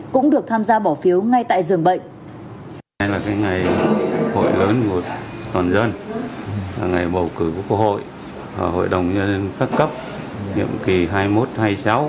cũng được tham gia bỏ phiếu ngay tại dường bệnh